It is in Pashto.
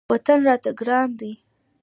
وطن راته ګران دی.